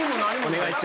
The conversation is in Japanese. お願いします。